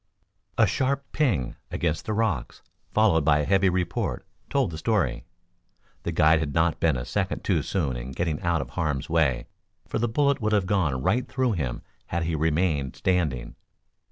A sharp "ping" against the rocks, followed by a heavy report, told the story. The guide had been not a second too soon in getting out of harm's way, for the bullet would have gone right through him had he remained standing.